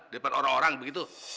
dari orang orang begitu